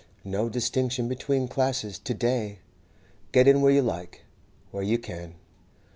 No distinction between 'classes' to day; get in where you like, where you can.